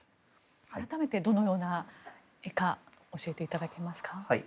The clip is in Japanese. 改めてどのような絵か教えていただけますか？